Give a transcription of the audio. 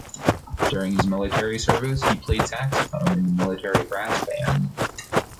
During his military service, he played saxophone in the military brass band.